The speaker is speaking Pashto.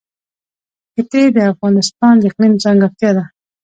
ښتې د افغانستان د اقلیم ځانګړتیا ده.